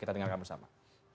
kita dengarkan bersama